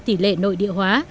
tỷ lệ nội địa hóa